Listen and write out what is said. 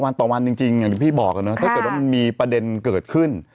วันต่อวันจริงอย่างที่พี่บอกนะถ้าเกิดว่ามันมีประเด็นเกิดขึ้น